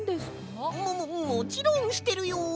もももちろんしてるよ！